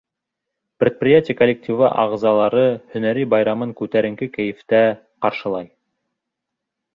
Предприятие коллективы ағзалары һөнәри байрамын күтәренке кәйефтә ҡаршылай.